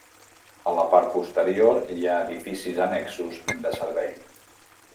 A la part posterior hi ha edificis annexos de servei.